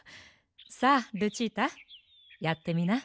さあルチータやってみな。